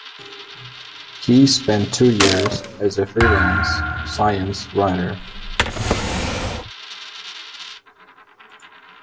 He spent two years as a freelance science writer.